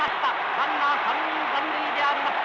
ランナー３人残塁であります。